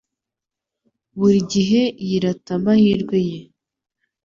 Buri gihe yirata amahirwe ye.